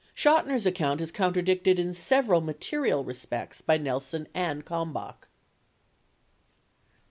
Chotiner's account is contradicted in several material respects by Nelson and Kalmbach.